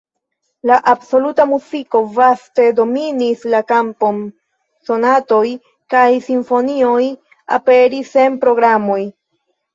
La absoluta muziko vaste dominis la kampon, sonatoj kaj simfonioj aperis sen programoj.